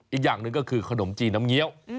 อีกอย่างหนึ่งก็คือขนมจีนน้ำเงี้ยว